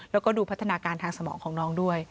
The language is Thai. แล้วก็ดูพัฒนาการทางสมองของน้องด้วย